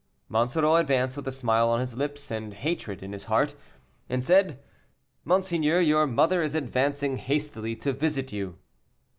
Monsoreau advanced, with a smile on his lips and hatred In his heart, and said, "Monseigneur, your mother is advancing hastily to visit you."